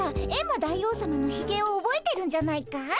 大王さまのひげをおぼえてるんじゃないかい？